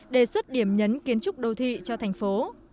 đề xuất điểm nhấn kiến trúc đô thị cho thành phố